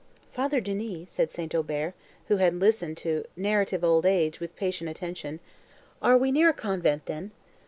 "Father Denis!" said St. Aubert, who had listened to 'narrative old age' with patient attention, "are we near a convent, then?"